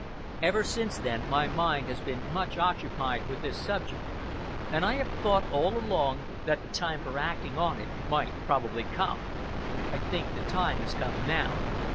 Ever since then my mind has been much occupied with this subject, and I have thought, all along, that the time for acting on it might probably come. I think the time has come now.